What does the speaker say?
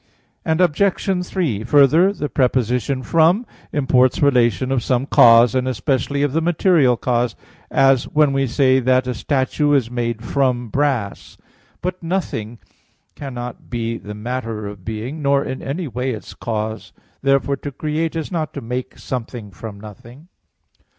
Obj. 3: Further, the preposition "from" [ex] imports relation of some cause, and especially of the material cause; as when we say that a statue is made from brass. But "nothing" cannot be the matter of being, nor in any way its cause. Therefore to create is not to make something from nothing.